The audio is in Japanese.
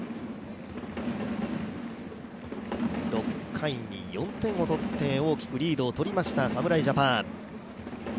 ６回に４点を取って大きくリードを取りました、侍ジャパン。